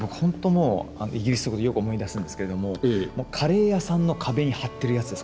もうイギリスとかでよく思い出すんですけれどもカレー屋さんの壁に貼ってるやつです。